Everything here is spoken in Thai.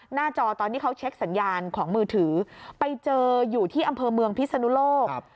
จอตอนที่เขาเช็คสัญญาณของมือถือไปเจออยู่ที่อำเภอเมืองพิศนุโลก